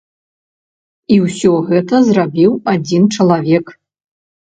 І ўсё гэта зрабіў адзін чалавек.